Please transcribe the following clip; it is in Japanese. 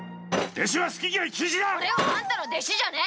俺はあんたの弟子じゃねえ！